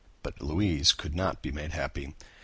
But Louise could not be made happy.